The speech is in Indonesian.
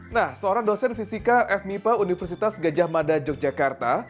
nah seorang dosen fisika fmipa universitas gajah mada yogyakarta